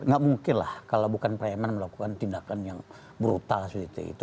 nggak mungkin lah kalau bukan preman melakukan tindakan yang brutal seperti itu